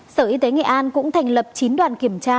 sở y tế nghệ an cũng thành lập chín đoàn kiểm tra